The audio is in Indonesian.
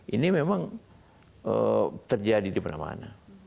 ini memang terjadi di mana mana